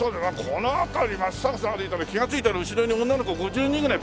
この辺り松坂さん歩いたら気がついたら後ろに女の子５０人ぐらい。